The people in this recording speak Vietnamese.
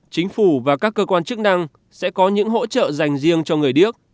chính phủ và các cơ quan chức năng sẽ có những hỗ trợ dành riêng cho người điếc